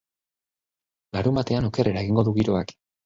Larunbatean okerrera egingo du giroak.